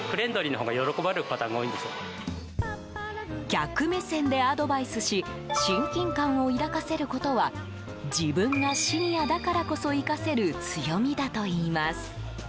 客目線でアドバイスし親近感を抱かせることは自分がシニアだからこそ生かせる強みだといいます。